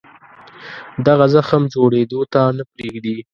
دغه زخم جوړېدو ته نه پرېږدي.